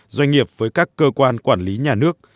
doanh nghiệp với các cơ quan quản lý nhà nước